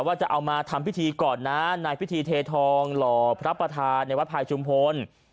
ว่าจะเอามาทำพิธีก่อนนะในพิธีเททองหล่อพระประธานในวัดพายชุมพล